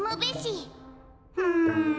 うん。